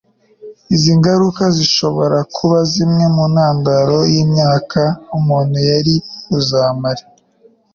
Izi ngaruka zishobora kuba zimwe mu ntandaro y'imyaka umuntu yari buzarame